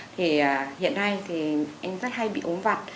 thì hiện nay thì anh rất hay bị ốm vặt